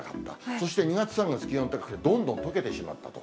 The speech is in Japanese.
そして２月、３月、気温高くてどんどんとけてしまったと。